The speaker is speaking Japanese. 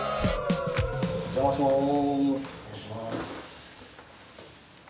お邪魔します。